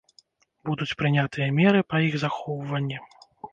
Будуць прынятыя меры па іх захоўванні.